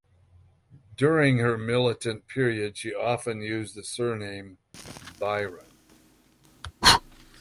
During her militant period she often used the surname "Byron".